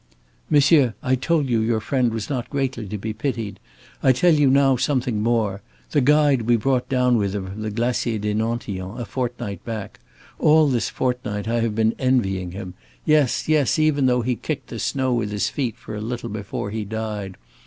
"Monsieur, I told you your friend was not greatly to be pitied. I tell you now something more. The guide we brought down with him from the Glacier des Nantillons a fortnight back all this fortnight I have been envying him yes, yes, even though he kicked the snow with his feet for a little before he died.